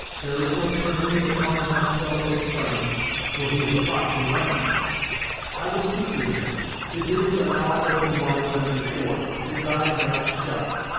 There is no turning in the talk of my pale face friend, though he is a fox in running. I will speak to him; his ears are now open wider than before, and his eyes are not shut.